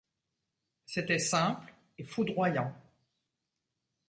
C’était simple et foudroyant.